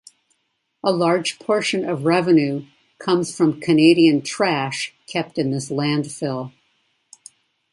A large portion of revenue comes from Canadian trash kept in this landfill.